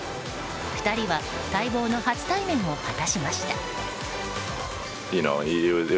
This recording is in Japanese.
２人は待望の初対面を果たしました。